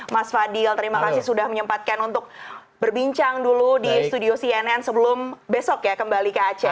mas fadil terima kasih sudah menyempatkan untuk berbincang dulu di studio cnn sebelum besok ya kembali ke aceh